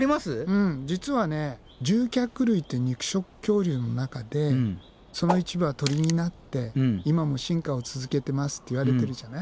うん実は獣脚類って肉食恐竜の中でその一部は鳥になって今も進化を続けてますって言われてるじゃない。